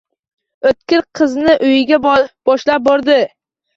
O`tkir qizni uyiga boshlab bordi